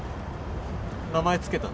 名前付けたの？